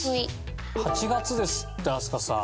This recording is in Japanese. ８月ですって飛鳥さん。